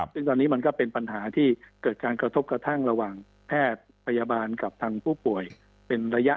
ซึ่งตอนนี้มันก็เป็นปัญหาที่เกิดการกระทบกระทั่งระหว่างแพทย์พยาบาลกับทางผู้ป่วยเป็นระยะ